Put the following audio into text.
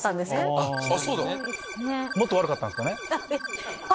もっと悪かったんすかね？